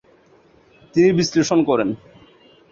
তিনি বিশ্লেষণ করেন ।